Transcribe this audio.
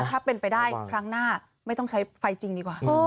ถ้าเป็นไปได้ครั้งหน้าไม่ต้องใช้ไฟจริงดีกว่า